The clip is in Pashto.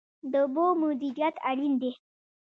د اوبو مدیریت اړین دی.